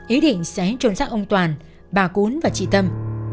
ý định sẽ trốn sát ông toàn bà cún và chị tâm